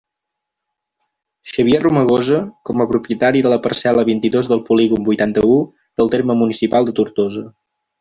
Xavier Romagosa, com a propietari de la parcel·la vint-i-dos del polígon vuitanta-u del terme municipal de Tortosa.